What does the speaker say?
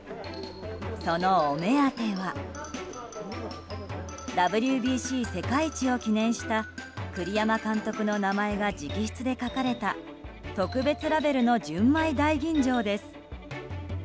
そのお目当てはＷＢＣ世界一を記念した栗山監督の名前が直筆で書かれた特別ラベルの純米大吟醸です。